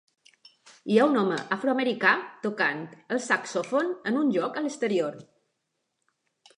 Hi ha un home afroamericà tocant el saxòfon en un lloc a l'exterior.